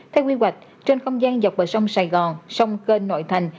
theo quy hoạch trên không gian dọc bờ sông sài gòn sông kênh nội thành